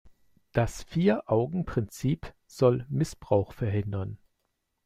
Das Vier-Augen-Prinzip soll Missbrauch verhindern.